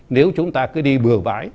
nếu chúng ta cứ đi bừa vãi